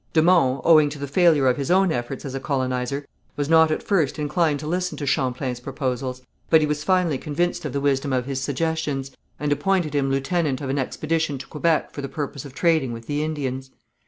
De Monts, owing to the failure of his own efforts as a colonizer, was not at first inclined to listen to Champlain's proposals, but he was finally convinced of the wisdom of his suggestions, and appointed him lieutenant of an expedition to Quebec for the purpose of trading with the Indians.